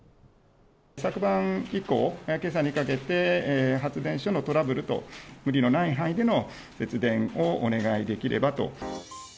昨晩以降、けさにかけて、発電所のトラブルと。無理のない範囲での節電をお願いできればと。